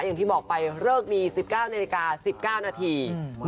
อย่างที่บอกไปเริกนี้๑๙นาที๑๙นาที๑๙๑๙